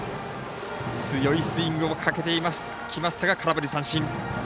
強いスイングをかけてきましたが空振り三振。